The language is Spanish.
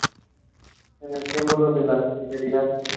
Es el símbolo de la fidelidad.